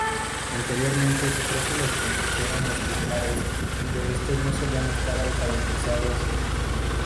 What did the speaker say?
Anteriormente se cree que los compusieron los juglares, pero estos no solían estar alfabetizados.